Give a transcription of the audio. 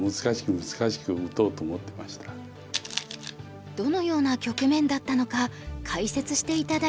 どのような局面だったのか解説して頂いた。